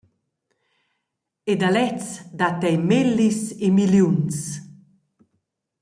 E da lezs dat ei mellis e milliuns.